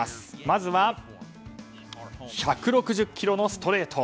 まずは１６０キロのストレート。